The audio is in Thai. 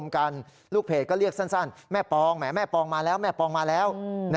ลูกเพจก็เรียกสั้นแม่ปองแหมแม่ปองมาแล้วแม่ปองมาแล้ว